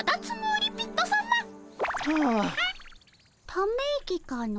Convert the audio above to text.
ため息かの。